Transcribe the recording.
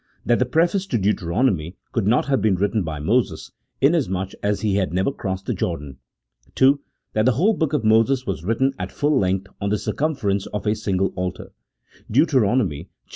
That the preface to Deuteronomy could not have been written by Moses, inasmuch as he had never crossed the Jordan. II. That the whole book of Moses was written at full length on the circumference of a single altar (Deut.